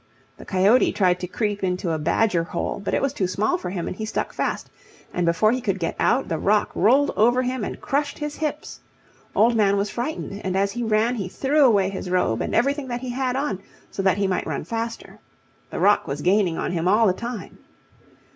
The coyote tried to creep into a badger hole, but it was too small for him and he stuck fast, and before he could get out the rock rolled over him and crushed his hips. Old Man was frightened, and as he ran he threw away his robe and everything that he had on, so that he might run faster. The rock was gaining on him all the time.